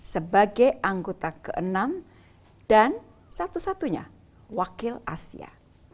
sebagai anggota keenam dan satu satunya wakil asia